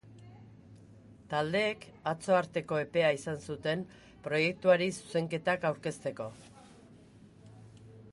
Taldeek atzo arteko epea izan zuten proiektuari zuzenketak aurkezteko.